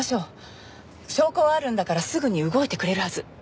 証拠はあるんだからすぐに動いてくれるはず。